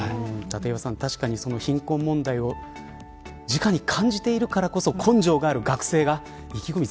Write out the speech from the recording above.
立岩さん、確かに貧困問題をじかに感じているからこそ根性がある学生が意気込み